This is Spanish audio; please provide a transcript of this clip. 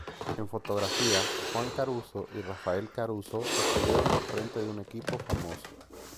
En fotografía Juan Caruso y Rafael Caruso estuvieron al frente de un equipo famoso.